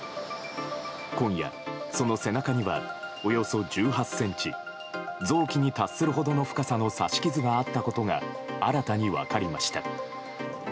今夜、その背中にはおよそ１８ｃｍ臓器に達するほどの深さの刺し傷があったことが新たに分かりました。